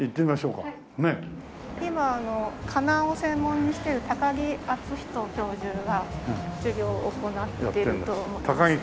今かなを専門にしている高木厚人教授が授業を行っていると思うんですけど。